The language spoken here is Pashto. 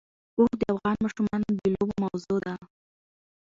اوښ د افغان ماشومانو د لوبو موضوع ده.